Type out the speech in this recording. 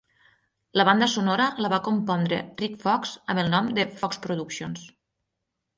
La banda sonora la va compondre Rick Fox, amb el nom de Fox Productions.